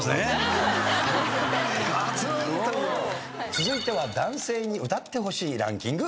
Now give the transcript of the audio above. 続いては男性に歌ってほしいランキング